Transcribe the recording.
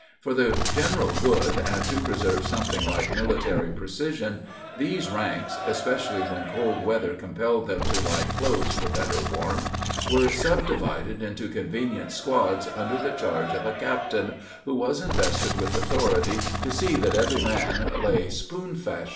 For the general good, and to preserve something like military precision, these ranks (especially when cold weather compelled them to lie close for better warmth) were subdivided into convenient squads under charge of a "captain," who was invested with authority to see that every man lay "spoon fashion."